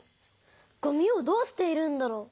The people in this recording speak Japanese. ごみをどうしているんだろう？